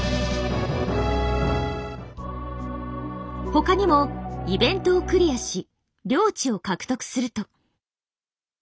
他にもイベントをクリアし領地を獲得すると。